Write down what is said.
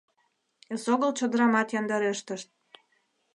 Эсогыл чодырамат яндарештышт...